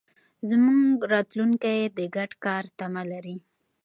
زموږ راتلونکی د ګډ کار تمه لري.